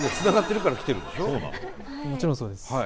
もちろんそうです。